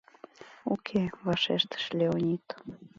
— Уке, — вашештыш Леонид.